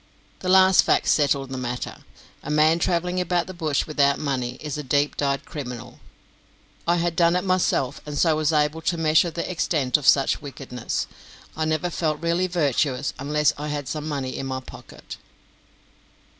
That last fact settled the matter. A man travelling about the bush without money is a deep dyed criminal. I had done it myself, and so was able to measure the extent of such wickedness. I never felt really virtuous unless I had some money in my pocket.